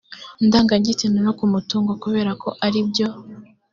ndangagitsina no ku mutungo kubera ko ari byo